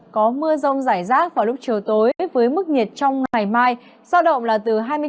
có mưa rông giải rác vào lúc chiều tối với mức nhiệt trong ngày mai giao động là từ hai mươi chín đến ba mươi hai độ